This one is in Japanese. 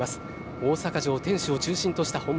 大阪城天守を中心とした本丸。